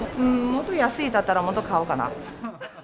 もっと安いだったら、もっと買うかな。